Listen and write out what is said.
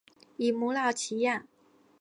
以母老乞养。